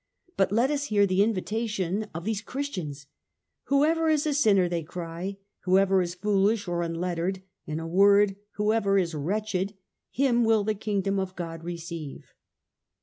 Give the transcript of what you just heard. * But let us hear the invita tion of these Christians. ' Whoever is a sinner,' they cry, ' whoever is foolish or unlettered, in a word, whoever is wretched, him will the kingdom of God receive.